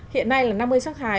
hiện nay là năm mươi sắc thái